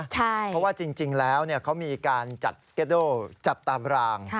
เพราะว่าจริงแล้วเนี่ยเขามีการจัดเกดอลจัดตาบราง